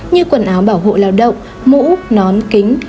như quần áo bảo hộ lao động mũ nón kính